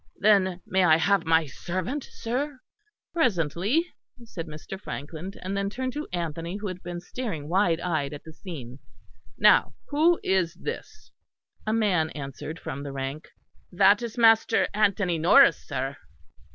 "Then may I have my servant, sir?" "Presently," said Mr. Frankland, and then turned to Anthony, who had been staring wild eyed at the scene, "Now who is this?" A man answered from the rank. "That is Master Anthony Norris, sir."